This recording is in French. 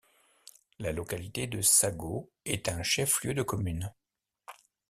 La localité de Sago est un chef-lieu de commune.